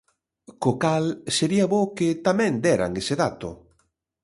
Co cal, sería bo que tamén deran ese dato.